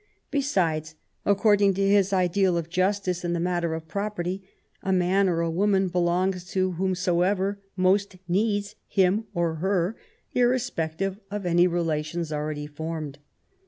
Besides, according to his ideal of justice in the matter of property, a man or a woman belongs to whom soever most needs him or her, irrespective of any rela tions already formed.